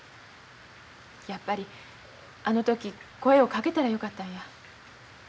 やっぱりあの時声をかけたらよかったんや。